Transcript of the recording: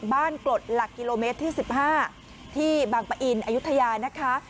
กรดหลักกิโลเมตรที่๑๕ที่บางปะอินอายุทยานะคะ